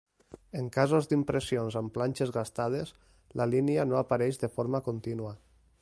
En casos d'impressions amb planxes gastades, la línia no apareix de forma contínua.